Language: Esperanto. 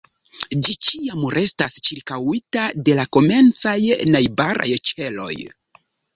Ĝi ĉiam restas ĉirkaŭita de la komencaj najbaraj ĉeloj.